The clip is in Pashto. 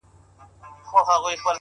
نن چي د عقل په ويښتو کي څوک وهي لاسونه”